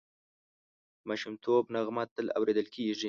د ماشومتوب نغمه تل اورېدل کېږي